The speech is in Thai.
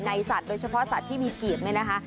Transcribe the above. สัตว์โดยเฉพาะสัตว์ที่มีกีบเนี่ยนะคะ